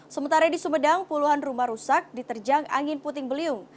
sementara di sumedang puluhan rumah rusak diterjang angin puting beliung